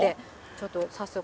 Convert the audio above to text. ちょっと早速。